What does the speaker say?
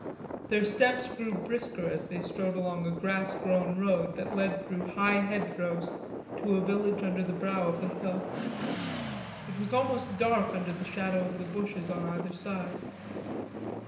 Their steps grew brisker as they strode along a grass grown road that led through high hedgerows to a village under the brow of the hill. It was almost dark under the shadow of the bushes on either side.